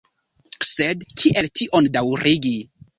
Sed kiel tion daŭrigi?